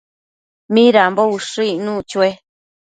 ¿Midambo ushëc icnuc chue?